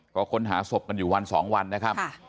ก็ค้นหาศพกันอยู่วันสองวันนะคะ